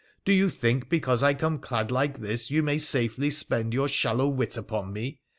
Do you think, because I come clad like this, you may safely spend your shallow wit upon me